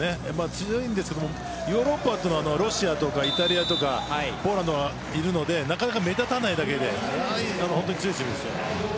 強いんですけど、ヨーロッパはロシアとかイタリアとかポーランドがいるのでなかなか目立たないだけで本当に強いチームです。